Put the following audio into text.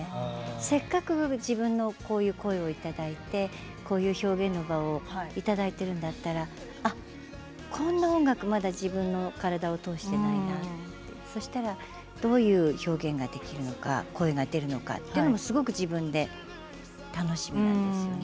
せっかく自分のこういう声をいただいて、こういう表現の場をいただいているんだったらこんな音楽、まだ自分の体を通していないなそしたらどういう表現ができるのかどういう声が出るのか自分ですごく楽しみなんですよね。